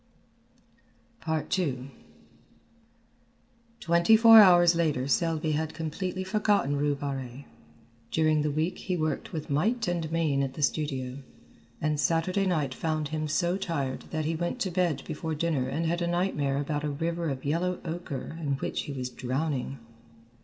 II Twenty four hours later Selby had completely forgotten Rue Barrée. During the week he worked with might and main at the studio, and Saturday night found him so tired that he went to bed before dinner and had a nightmare about a river of yellow ochre in which he was drowning.